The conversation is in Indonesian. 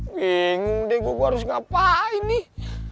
wih deh gue harus ngapain nih